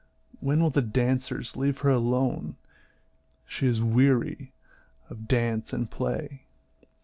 When will the dancers leave her alone? She is weary of dance and play."